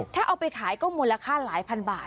ถ้าเอาไปขายก็มูลค่าหลายพันบาท